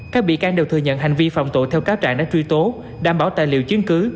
các bị can đều thừa nhận hành vi phạm tội theo cáo trạng đã truy tố đảm bảo tài liệu chứng cứ